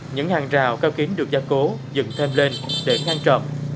những hàng rào cao kiếm được gia cố dựng thêm lên để ngăn trộm